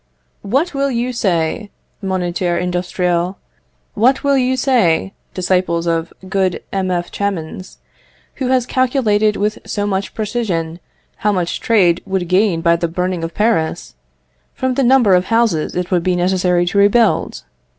What will you say, Moniteur Industriel what will you say, disciples of good M. F. Chamans, who has calculated with so much precision how much trade would gain by the burning of Paris, from the number of houses it would be necessary to rebuild?